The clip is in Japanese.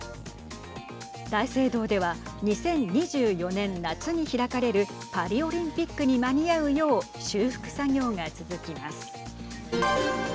大聖堂では２０２４年、夏に開かれるパリオリンピックに間に合うよう修復作業が続きます。